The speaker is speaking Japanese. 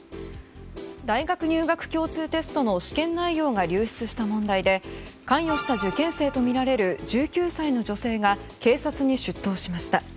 大学入学共通テストの試験内容が流出した問題で関与した受験生とみられる１９歳の女性が警察に出頭しました。